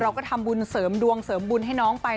เราก็ทำบุญเสริมดวงเสริมบุญให้น้องไป